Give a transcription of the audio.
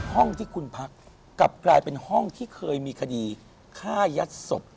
ห้องที่คุณพักกลับกลายเป็นห้องที่เคยมีคดีฆ่ายัดศพ